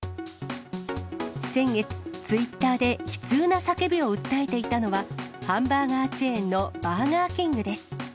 先月、ツイッターで悲痛な叫びを訴えていたのは、ハンバーガーチェーンのバーガーキングです。